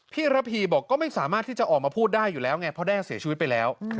ระพีบอกก็ไม่สามารถที่จะออกมาพูดได้อยู่แล้วไงเพราะแด้เสียชีวิตไปแล้ว